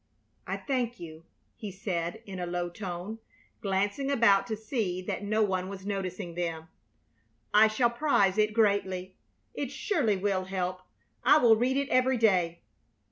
"I thank you," he said, in a low tone, glancing about to see that no one was noticing them. "I shall prize it greatly. It surely will help. I will read it every day.